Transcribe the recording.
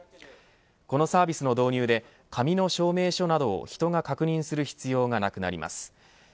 このサービスの導入で紙の証明書などを人が確認する必要がなくなります。